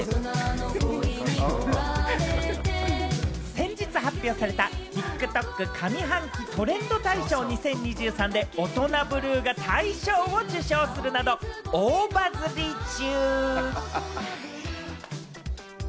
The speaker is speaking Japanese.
先日発表されたＴｉｋＴｏｋ上半期トレンド大賞２０２３で『オトナブルー』が大賞を受賞するなど、大バズリ中。